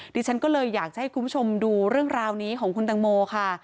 ดิฉันก็เลยอยากจะให้คุณผู้ชมดูเรื่องราวนี้ของคุณตังโมค่ะ